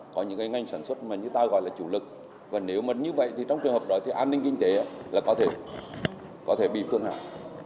có những ngành sản xuất mà chúng ta gọi là chủ lực và nếu như vậy thì trong trường hợp đó thì an ninh kinh tế là có thể bị phương hại